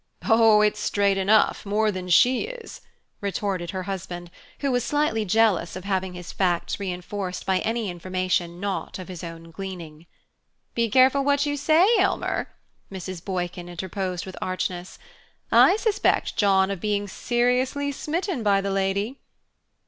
"Oh, it's straight enough more than she is!" retorted her husband, who was slightly jealous of having his facts reinforced by any information not of his own gleaning. "Be careful of what you say, Elmer," Mrs. Boykin interposed with archness. "I suspect John of being seriously smitten by the lady."